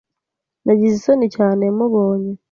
Nagize isoni cyane mubonye.